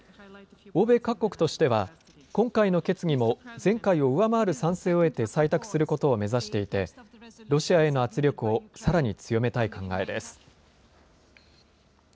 欧米各国としては、今回の決議も前回を上回る賛成を得て、採択することを目指していて、ロシアへの圧力をさらに強めたい考えです。